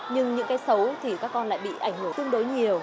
nhưng những cái xấu thì các con lại bị ảnh hưởng tương đối nhiều